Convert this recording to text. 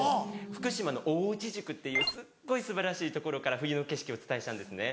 福島の大内宿っていうすっごい素晴らしい所から冬の景色をお伝えしたんですね